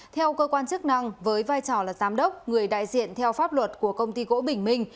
theo cơ quan chức năng với vai trò là giám đốc người đại diện theo pháp luật của công ty gỗ bình minh